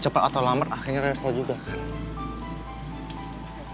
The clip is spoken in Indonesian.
cepat atau lambat akhirnya raya selesai juga kan